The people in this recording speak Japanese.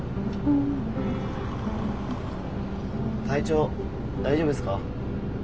体調大丈夫ですか？